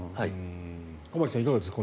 駒木さん、いかがですか。